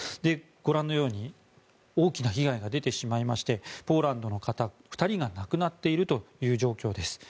ご覧のように大きな被害が出てしまいましてポーランドの方、２人が亡くなっているという状況です。